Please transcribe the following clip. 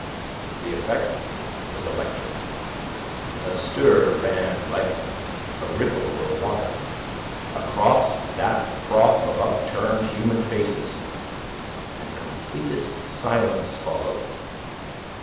The effect was electric. A stir ran, like a ripple over water, across that froth of upturned human faces, and completest silence followed.